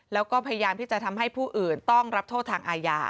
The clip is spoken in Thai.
แล้วก็พยายามที่จะทำให้ผู้อื่นต้องรับโทษทางอาญา